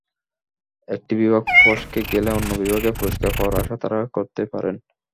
একটি বিভাগ ফসকে গেলে অন্য বিভাগের পুরস্কার পাওয়ার আশা তাঁরা করতেই পারেন।